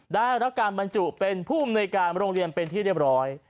ได้รับการบรรจุเป็นผู้อำนวยการโรงเรียนเป็นที่เรียบร้อย